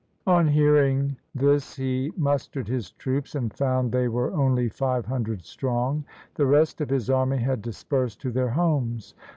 On hearing this he mustered his troops, and found they were only five hundred strong. The rest of his army had dispersed to their homes.